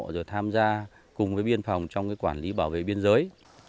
rồi tham gia cùng với biên phòng trong quản lý bảo vệ biên giới